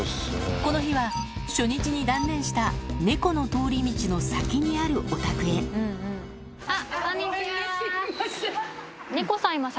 この日は初日に断念した猫の通り道の先にあるお宅へあっこんにちは。